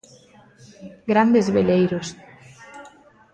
Grandes veleiros.